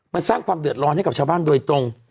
มันสร้างความเดือดร้อนให้กับชาวบ้านโดยตรง